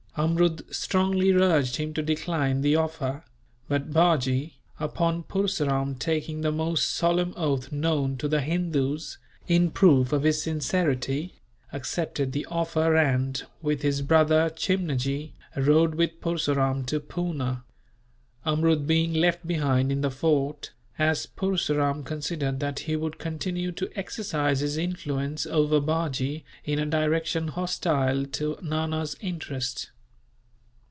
Amrud strongly urged him to decline the offer; but Bajee, upon Purseram taking the most solemn oath known to the Hindoos, in proof of his sincerity, accepted the offer and, with his brother Chimnajee, rode with Purseram to Poona; Amrud being left behind in the fort, as Purseram considered that he would continue to exercise his influence over Bajee in a direction hostile to Nana's interest.